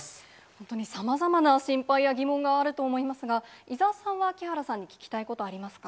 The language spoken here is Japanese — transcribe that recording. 本当にさまざまな心配や疑問があると思いますが、伊沢さんは木原さんに聞きたいことありますか。